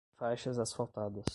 Faixas asfaltadas